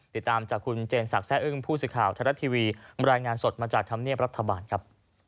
ติดตามจากคุณเจนศักดิ์อึ้งผู้สื่อข่าวไทยรัฐทีวีบรรยายงานสดมาจากธรรมเนียบรัฐบาลครับ